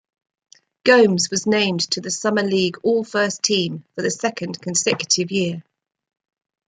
Gomes was named to the summer league all-first team for the second consecutive year.